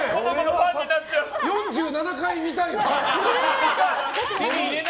４７回、見たいな。